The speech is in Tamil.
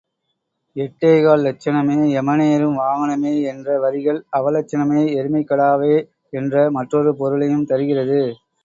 எட்டேகால் லட்சணமே எமனேறும் வாகனமே என்ற வரிகள் அவலட்சணமே எருமைக்கடாவே என்ற மற்றொரு பொருளையும் தருகிறது.